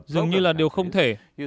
dường như là điều không thể